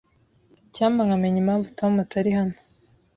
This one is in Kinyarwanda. Icyampa nkamenya impamvu Tom atari hano.